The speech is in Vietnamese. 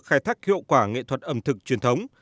khai thác hiệu quả nghệ thuật ẩm thực truyền thống